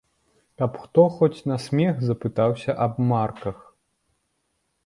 Каб хто хоць на смех запытаўся аб марках.